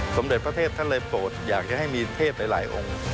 สมเด็จพระเทพท่านเลยโปรดอยากจะให้มีเทพหลายองค์